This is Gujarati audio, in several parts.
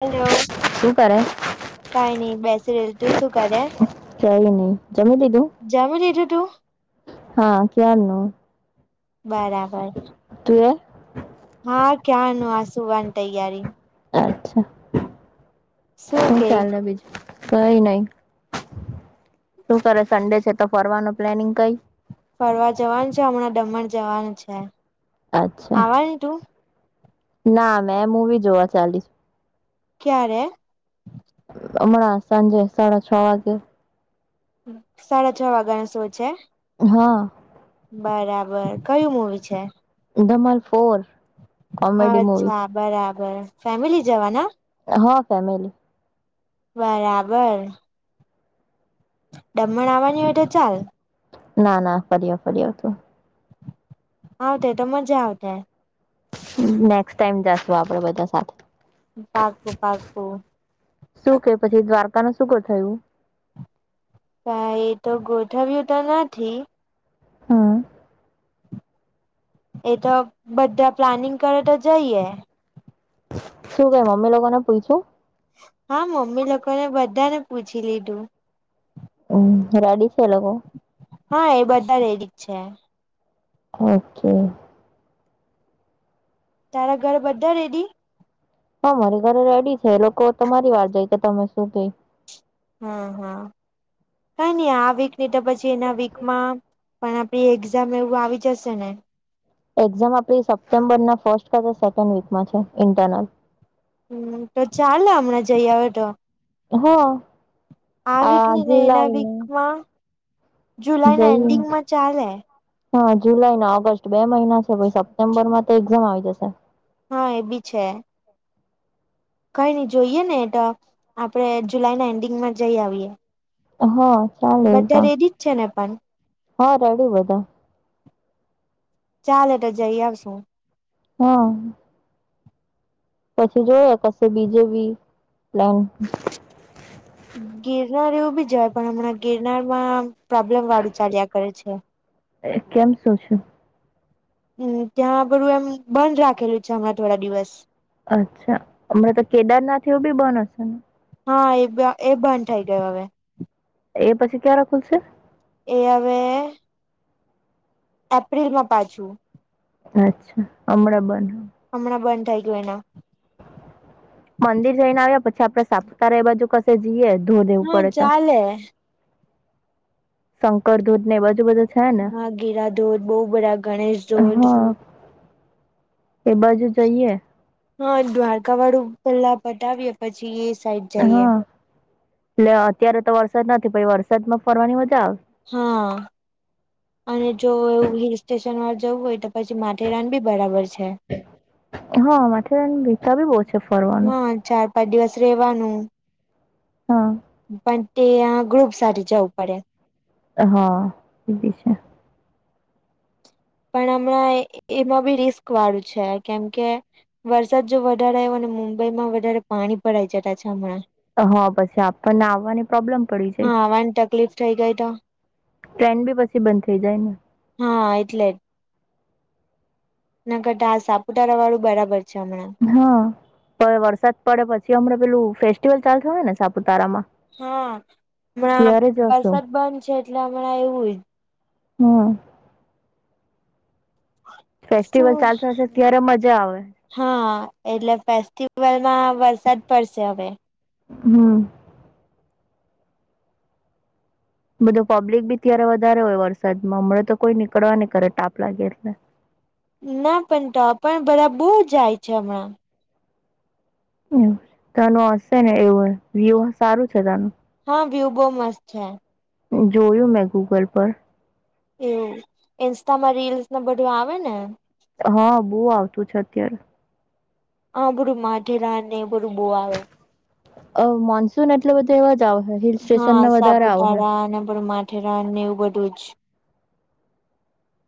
હેલો શું કરે? કઈ નઈ બેસી રેલ. તું શું કરે? ક્યાંય નહીં જમી લીધું જમી લીધું તું? હા ક્યારનું. બરાબર તું એ? હા ક્યાંરનું. આ સુવાની તૈયારી. અચ્છા. શું ચાલે બીજું? કઈ નહી. શું કરે સન્ડે છે તો ફરવાનું પ્લાનિંગ કઈ? ફરવા જવાનું છે હમણાં દમણ જવાનું છે. અચ્છા આવાની તું? ના મેં મૂવી જોવા ચાલીશ. ક્યારે? હમણાં સાંજે સાડા છ વાગે. હમ સાડા છ વાગાનો શો છે? હા બરાબર. કયું મુવી છે? દમલ ફોર. કોમેડી મૂવી છે. અચ્છા બરાબર. ફેમિલી જવાના? હા ફેમિલી. બરાબર. દમણ આવવાની હોય તો ચાલ. ના ના ફરી આવ ફરી આવ તું. હા તો તો મજા આવતે. નેક્સ્ટ ટાઈમ જાશું આપડે બધા સા પાકું પાકું. શું કે પછી દ્વારકા નુ શું કાય થયું? કાય એ તો ગોઠવીયુ તો નથી. હમ્મ. એ તો બધા પ્લાનિંગ કરે તો જઈએ. શું કઈ મમ્મી લોકો ને પૂઇછું? હા મમ્મી લોકોને બધા ને પૂછી લીધું. અમ રેડી છે એ લોકો? હા એ બધા રેડી જ છે. ઓકે. તારા ઘરે બધા રેડી? હા મારી ઘરે રેડી છે લોકો, તમારી વાર જાય કે તમે શું કે. હા હા કઈ નહી આ વીક ની તો પછી એના વીકમાં પણ આપડી એક્ઝામ એવું આવી જશે ને. એક્ઝામ આપડી સપ્ટેમ્બર ના ફર્સ્ટ કા ત સેકન્ડ વીકમાં છે ઇન્ટરનલ. હમ્મ, તો ચાલે હમણાં જઈ આવે તો. હા. આ વીક ની ને એના વીકમાં જુલાઈ ના જઈ એન્ડિંગમાં ચાલે. હા જુલાઈ ને ઓગસ્ટ બે મહિના છે સપ્ટેમ્બર માં તો એક્ઝામ આવી જશે. હા એ બી છે. કઈ નઈ જોઈએ ને એ તો આપડે જુલાઈ ના એન્ડિંગમાં જઈ આવીએ. હા. ચાલે એ બધા પણ રેડી જ છે ને પણ? હા રેડી બધા. ચાલે તો જઈ આવશું. હા. પછી જોય કશે બીજે બી પ્લાન. ગિરનાર એવું બી જ હોય પણ હમણાં ગિરનાર માં પ્રોબ્લેમ વાળું ચાલ્યા કરે છે. કેમ શું છે? હમ્મ, ત્યાં બધું એમ બંધ રાખેલું છે હમણાં થોડા દિવસ. અચ્છા, હમણાં તો કેદારનાથ એવું બી બન હશે ને? હા એ એ બંધ થઈ ગયો હવે. એ પછી ક્યારે ખુલશે? એ હવે એપ્રિલમાં પાછું. અચ્છા હમણાં બંધ. હમણાં બંધ થઈ ગયું એના. મંદિર જઈને આવ્યા પછી આપડે સાપતા એ બાજુ કશે જઈએ ધૂ દેવું હા પડે તો. ચાલે શંકર દૂધ ને બજું બધું છે ને હા ગેરા ધોધ બહુ બરા ગણેશ ધોધ. હા એ બાજુ જઈએ? હા દ્વારકા વાળું પેલા પતાવીએ પછી એ સાઈડ જઈએ. હા એટલે અત્યારે તો વરસાદ નથી [unintelligible] વરસાદ માં ફરવાની મજા આવે. હા. અને જો એવું હિલ સ્ટેશન વાર જવું હોય તો પછી માથેરાન બી બરાબર છે. હા માથેરન રીતા ભી બવ છે ફરવાનું. બે દિવસ રહેવાનું હા. પણ તે ગ્રુપ સાથે જવું પડે હા એ બી છે પણ હમણાં એમાં બી રિસ્ક વાળું છે કેમકે, વરસાદ જો વધાર આવ્યો અને મુંબઈ માં વધારે પાણી ભરાય જતાછામણાં હા પછી આપણને આવવાની પ્રોબ્લેમ પડી જાય હા તકલીફ થય ગઈ તો ટ્રેન બી પછી બંધ થઈ જાય ને હા એટલે જ ના કરતા હા સાપુતારા વાળું બરાબર છે હમણાં હા વરસાદ પડે પછી હમણા પેલું ફેસ્ટિવલ ચાલતુ હોય ને સાપુતારામાં? હા હમણાં ત્યારે જશુ વરસાદ બંધ છે એટલે હમણાં એવુંય હમ ફેસ્ટિવલ શું ચાલતો હશે ત્યારે મજા આવે હા એટલે ફેસ્ટિવલમાં વરસાદ પડશે હવે હમ બધું પબ્લિક બી ત્યારે વધારે હોય વરસાદમાં હમણાં તો કોઈ નીકળવા નહીં કરે તાપ લાગે એટલે ના પણ તો પણ બરા બહુ જાય છે હમણાં હ તેનું હશે ને એવું વ્યુહ સારું છે તેનું હા વ્યુ બહુ મસ્ત છે જોયું મેં ગૂગલ પર એવું ઇન્સ્ટામાં રીલ્સ ન બધું આવે ને હા બહુ આવતું છે અત્યારે હા બર માથેરાન‌ ને એવું બધું બૂર આવે મોન્સૂન એટલે બધું એવા જ હ હા સાપુતારા અને માથેરાન એવું બધું જ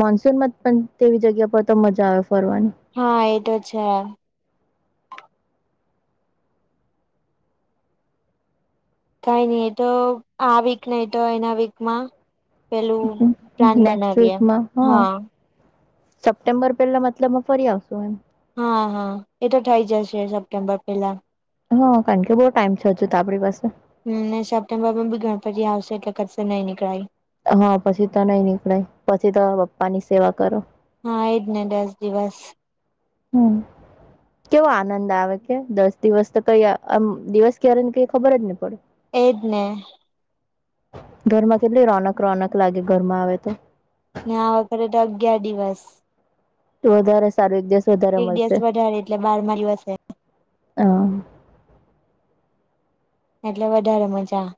મોન્સૂન માં પણ તેવી જગ્યા પર તો મજા આવે ફરવાની હા એ તો છે કઈ નઈ એ તો આ વીક ને તો એના વીકમાં પેલું પ્લાન નેક્સ્ટ બનાવીએ વીકમાં હા સપ્ટેમ્બર પહેલા મતલબમાં ફરી આવશું એમ હા હા એતો થઇ જશે સપ્ટેમ્બર પેલા હા કારણ કે બહુ ટાઈમ છેજ ત આપણી પાસે હમ સપ્ટેમ્બર માં બી ગણપતિ આવશે એટલે ક્શે નઈ નીકળાય હા પછી તો નહી નીકળાય પછી તો બપ્પા ની સેવા કરો હા એ જ ને દસ દિવસ હમ કેવો આનંદ આવે કે દસ દિવસ તો કઈ આ દિવસ ક્યારે ને કઈ ખબર જ નહી પડે એજને ઘરમાં કેટલી રોનક રોનક લાગે ઘરમાં આવે તો ને આ વખતે તો અગિયાર દિવસ વધારે સારી એક દિવસ વધારે એટલે બારમા દિવસે હા એટલે વધારે મજા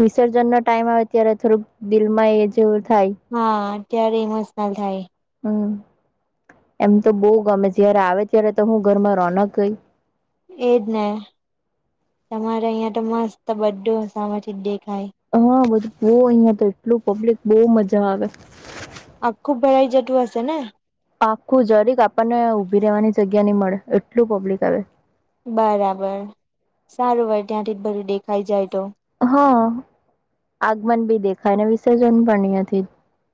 વિસર્જન નો ટાઈમ આવે ત્યારે થોડુંક દિલમાં એ જેવું થાય હા ત્યારે ઇમોશનલ થાય હમ એમ તો બહ ગમે જયારે આવે ત્યારે તો હું ઘરમાં રોનક ગઈ એજ ને તમારે અહીં તો મસ્ત બધું સામેથી જ દેખાય હા બધું અહિયાં તો એટલું પબ્લિક બહ મજા આવે આખું ભયાઈ જટું હશે ને. આખું જરીક આપણને ઊભી રેવાની જગ્યા ની મળે એટલું પબ્લિક આવે. બરાબર સારુ હોય તાથી જ ભઢુ ડેખાઈ જાય તો હ આગમન બી દેખાયને, વિસર્જન પણ અઈયાથી જ.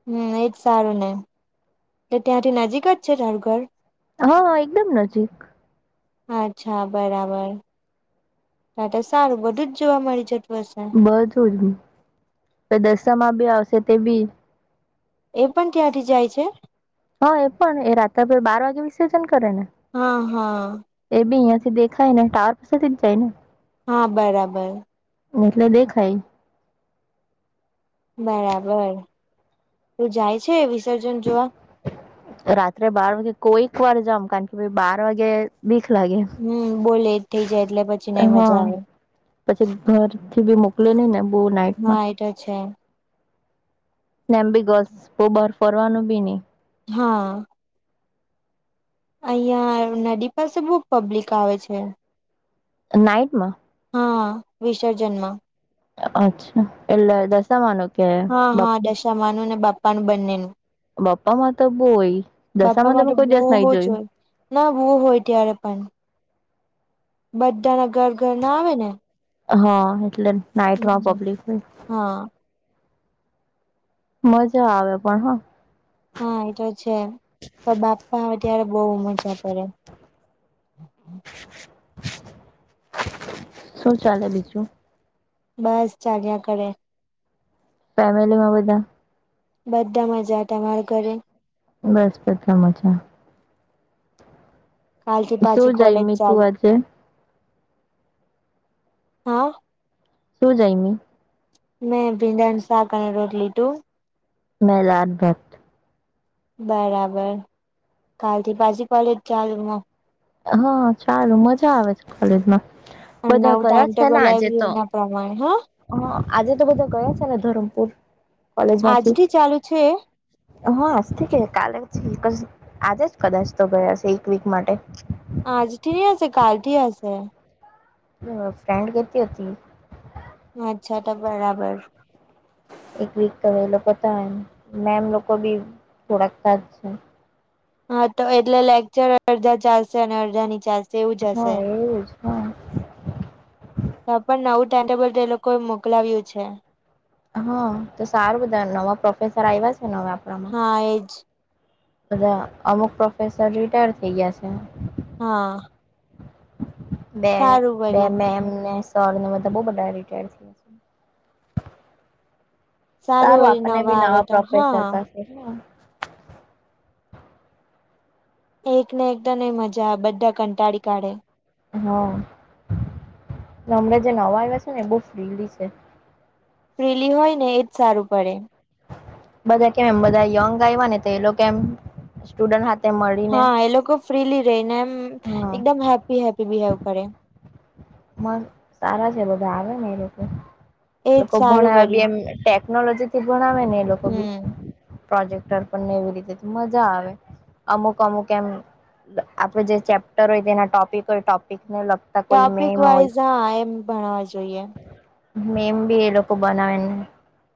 હમ, એજ સારું ને એટલે ટાથી નજીક જ છે ટારુ ઘર. હ, એકદમ નજીક. હા, અચ્છા બરાબર. ટાટ સારુ બધુ જ જોવા મળી જટુ હશે. બધું જ પ, દસમાં બી આવસે તે બી. એ પન ટ્યાથી જાય છે. હ એ પણ એ રાતભ બાર વાગે વિસર્જન કરે ને. હા હા એ બી ઈયાથી દેખાય ને ટાર પાસેથી જ જાય ને. હા બરાબર. એટલે દેખાય. બરાબર. તુ જાય છે વિસર્જન જોવા? રાત્રે બાર વાગે કોઈક વાર જામ, કાણ કે પહિ બાર વાગે બીખ લાગે. હમ. બો લેટ થઇ જાય એટલે પછી નઈ હા મજા આવે. પછી ઘરથી બી મોકલે નઈ ને બો નાઈટમાં. ત છે. ને એમ બી ગલ્સ બો બાર ફરવાનું બી ની. હા. અઈયાં નડી પાસે બોવ પબ્લિક આવે છે. નાઈટમાં. હ. વિસર્જન માં અચ્છા, એટલે દશામાનો હા-હા, દશામાંનું ને બાપ્પાનું બંનેનું. બપ્પા માં તો બો હોય, બાપા દશામાં તો મે માટે કોઈ દિવસ નઈ બહુ જ જોયું. હોય ના બું હોય ત્યારે પન. બઢા ના ઘર-ઘર ના આવે ને. હા એટલે નાઈટમાં પબ્લિક હોય. હ. મજા આવે પણ હ. હા એતો છે, પણ બાપ્પા આવે ત્યારે બઉ મજા પડે. [inaudible] શું ચાલે બીજું? બસ, ચાલયા કરે. ફેમિલી માં બધા. બધા મજા. ટમારા ઘરે? બસ બધા મજા. કાલ થી પાછી શું કોલેજ જઈમી તું ચાલુ. આજે હ. સુ જયમી? મેં ભિડા નું સાક અને રોટલી. ટું? મે લાદભાત. બરાબર, કાલથી પાછી કોલેજ ચાલુ હ છારુ મજા આવે છે કોલેજમાં. બધા ટાઈમ ગયા છે ટેબલ ને આજે આવ્યું તો. એના પ્રમાણે હ હ, આજે તો બધા ગયા છે ને ધરમપુર કોલેજ માંથી. આજથી ચાલુ છે હ આસથી કે કાલે છે ક આજે જ કદાચ તો ગયાસે એક વીક માટે. હ આજ થી ની હશે કાલથી હશે. ફ્રેન્ડ કેતી હુતી અચ્છા તો બરાબર એક વીક તો એ લોકો તા એમ. મેમ લોકો બી થોડાક તાજ છે. હા તો એટલે લેક્ચર અડધા ચાલશે અને અડધા ની ચાલશે. એવું જ હશે હા એવું જ હા તો પણ નવું ટાઈમ ટેબલ એ લોકોએ મોકલાવ્યું છે. હા તો સારું બધા નવા પ્રોફેસર આવ્યા છે હવે આપણામાં. હા એજ બધા અમુક પ્રોફેસર રિટાયર થઇ ગયા છે. હા બે સારું વરી મેમ ને સરને બધા બો બધા રીટાયળ સારું વળી આપણને બી આવે નવા તો પ્રોફેસર હા પાસે એકને એકદ એ મજા બધા કંટાળી કાઢે હા હમણાં જે નવા આવ્યા છે ને એ બહ ફ્રીલી છે. ફ્રીલી હોય ને એજ સારું પડે બધા કેમ એમ બધા યંગ આવને તો એ લોકો એમ સ્ટુડ હા એ લોકો ફ્રીલી રહીને એમ હા એકદમ હેપ્પી હેપી બિવ કરે સારા છે બધા આવે ને એ લોકો એજ લોકો સારું ભણા વરી બે ટેકનોલોજી થી ભણાવે ને એ લોકો બી હમ પ્રોજેક્ટર પણને એવી રીતે મજા આવે અમુક અમુક એમ આપડે જે ચેપ્ટર હોય તેના ટોપિક હોય ટોપિક ને લગતા કોઈ મેમ હોય વાઝ હા એમ ભણવા જોઈએ મેમ બી એ લોકો બનાવે ને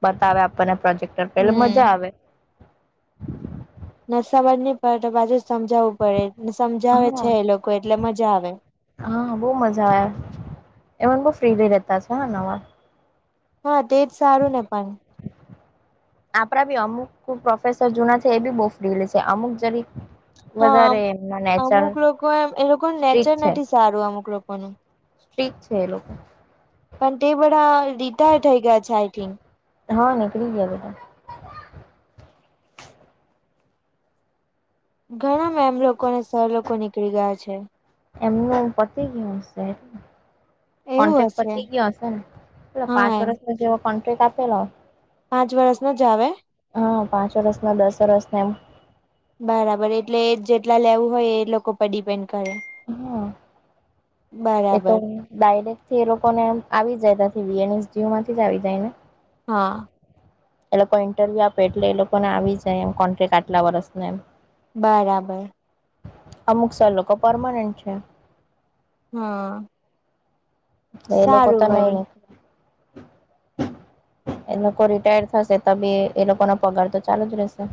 બતાવે આપણને પ્રોજેક્ટ પેલે હમ મજા આવે ન સમજ નહી પડે તો બાજુ સમજાવવું પડેને સમજાવે હા છે એ લોકો એટલે મજા આવે હા બહુ મજા આવ્યા એમને બહ ફ્રી લઈ રતા છે નવા હા તે જ સારું ને પણ આપડા બી અમુક પ્રોફેસર જૂના છે એ બી બહુફડીલી છે અમુક જરી હા અમુક લોકો એમ એ લોકોનું સ્ટ્રીક નેચર નથી સારું અમુક લોકોનું ઠીક છે એ લોકો પણ તે બધા રિટાયર થઈ ગયા છે આઈ થિંક હા નીકળી ગયા બેટા ઘણા મે એમ લોકો અને સર લોકો નીકળી ગયા છે. એમનું પતે ગય હશે એવું કોન્ટ્રાક્ટ હશે પતી ગયો હશે ને પેલો પાંચ હા વર્ષમાં જેવો કોન્ટ્રાક્ટ આપેલો પાંચ વર્ષ નો જ આવે હા પાંચોરસના દસરસને એમ બરાબર એટલે જેટલા લેવું હોય એ લોકો પર ડિપેન્ડ કરે હા એ તો બરાબર ડાયરેક્ટ થી એ લોકોને આવી જાય ત વીએનએસ જયુ માંથી જ આવી જાય ને હા એ લોકો ઇન્ટરવ્યુ આપે એટલે એ લોકોને આવી જાય એમ કોન્ટક આટલા વર્ષના એમ બરાબર અમુક સ લોકો પરમાનન્ટ છે. હમ એ લોકો તો નહી વરી નીકળ એ લોકો રિટાયર થશે તો બી એ લોકો ન પગાર તો ચાલુ જ રહેશે